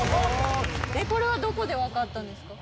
これはどこでわかったんですか？